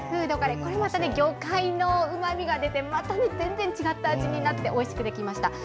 これも魚介のうまみが出てまた全然違った味になっておいしくできました。